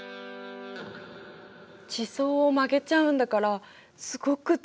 地層を曲げちゃうんだからすごく強い力だね。